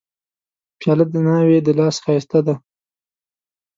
پیاله د ناوې د لاس ښایسته ده.